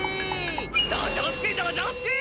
どじょうすくいどじょうすくい！